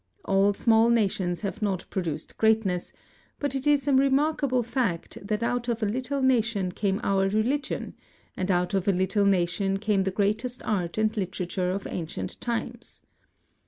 All small nations have not pro duced greatness, but it is a remarkable fact that out of a little nation came our religion, and out of a little nation came the greatest art and literature of ancient times.